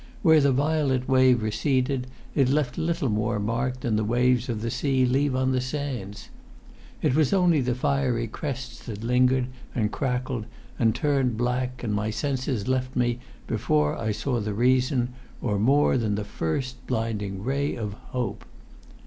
Where the violet wave receded, it left little more mark than the waves of the sea leave on the sands. It was only the fiery crests that lingered, and crackled, and turned black and my senses left me before I saw the reason, or more than the first blinding ray of hope!